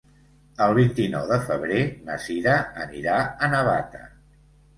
El vint-i-nou de febrer na Sira anirà a Navata.